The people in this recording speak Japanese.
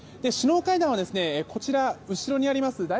首脳会談は、後ろにあります